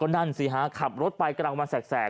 ก็นั่นสิครับขับรถไปกระดาบมาแสก